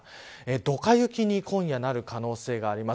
ドカ雪に今夜なる可能性があります。